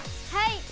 はい。